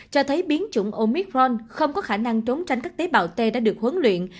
cho thấy biến chủng omitron không có khả năng trốn tránh các tế bào t đã được huấn luyện